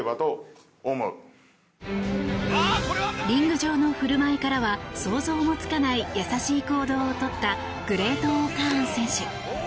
リング上の振る舞いからは想像もつかない優しい行動を取ったグレート−Ｏ−カーン選手。